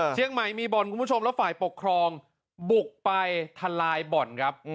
เชียงใหม่มีบ่อนคุณผู้ชมแล้วฝ่ายปกครองบุกไปทลายบ่อนครับ